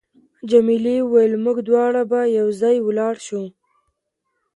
جميلې وويل: موږ دواړه به یو ځای ولاړ شو.